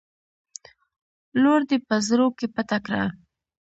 لور دې په زرو کې پټه کړه.